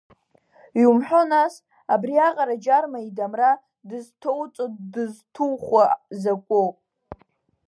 Иумҳәо нас, абри аҟара Џьарма идамра дызҭоуҵодызҭухуа закәу?